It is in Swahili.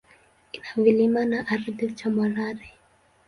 Ina vilima na ardhi tambarare.